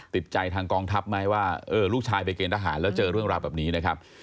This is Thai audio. ติดใจทางกองทัพไหมว่าลูกชายไปเกณฑหารแล้วเจอเรื่องราวแบบนี้นะครับ